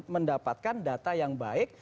mendapatkan data yang baik